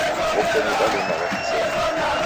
W'okoni dalimagha kizenya